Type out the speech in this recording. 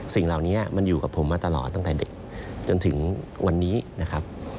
สิ่งเหล่านี้มันอยู่กับผมมาตลอดตั้งแต่เด็กจนถึงวันนี้นะครับ